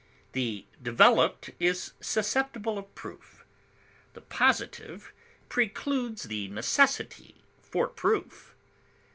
The developed is susceptible of proof; the positive precludes the necessity for proof.